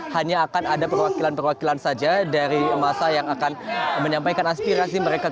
hanya akan ada perwakilan perwakilan saja dari masa yang akan menyampaikan aspirasi mereka